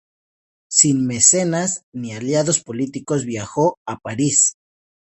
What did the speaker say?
Sin mecenas, ni aliados políticos, viajó a París.